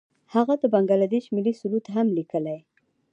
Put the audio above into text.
هغه د بنګله دیش ملي سرود هم لیکلی.